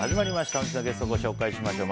本日のゲストをご紹介します。